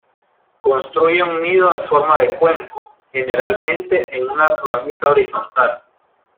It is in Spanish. Construye un nido en forma de cuenco, generalmente en una ramita horizontal.